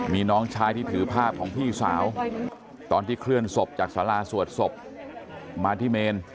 มีน้องชายที่ถือภาพของพี่สาวตอนที่เคลื่อนศพจากสาราสวดศพมาที่เมน